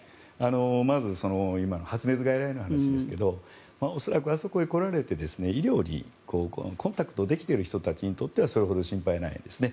まず、発熱外来の話ですが恐らくあそこに来られて医療にコンタクトできている人たちにとってはそれほど心配ないですね。